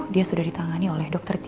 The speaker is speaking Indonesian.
dia sudah ditangani oleh dokter